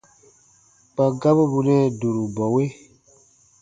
Kpa gabu bù nɛɛ dũrubɔwe.